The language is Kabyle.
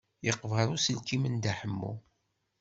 Yeqber uselkim n Dda Ḥemmu.